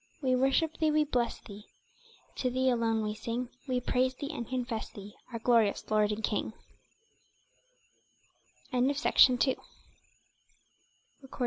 We worship Thee, we bless Thee To Thee alone we sing, We praise Thee and confess Thee, Our glorious Lord and King Led in Peace.